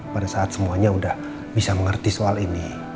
pada saat semuanya sudah bisa mengerti soal ini